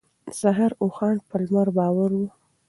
د سهار اوښان په لمر بار وو.